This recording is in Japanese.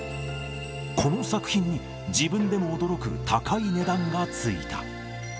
この作品に、自分でも驚く高い値段がついた。